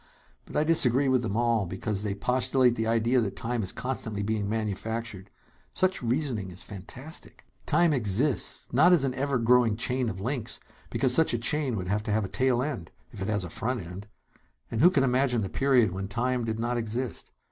But I disagree with them all, because they postulate the idea that time is constantly being manufactured. Such reasoning is fantastic! "Time exists. Not as an ever growing chain of links, because such a chain would have to have a tail end, if it has a front end; and who can imagine the period when time did not exist?